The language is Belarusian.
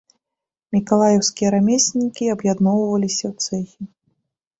Мікалаеўскія рамеснікі аб'ядноўваліся ў цэхі.